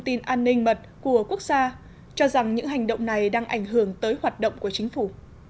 tin an ninh mật của quốc gia cho rằng những hành động này đang ảnh hưởng tới hoạt động của chính phủ